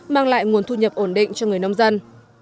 mang lại nguồn thu nhập ổn định cho người nông dân